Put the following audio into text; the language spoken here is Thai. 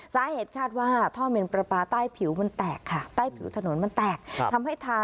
สาเหตุคาดว่าท่อมีนประปาใต้ผิวมันแตกค่ะ